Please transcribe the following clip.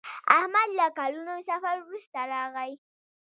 احمد له کلونو سفر وروسته راغی.